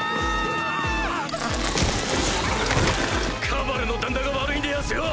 カバルの旦那が悪いんでやんすよ！